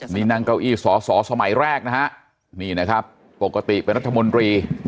นี่นั่งเก้าอี้สอสอสมัยแรกนะฮะนี่นะครับปกติเป็นรัฐมนตรี